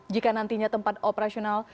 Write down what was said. jika nantinya tempat operasional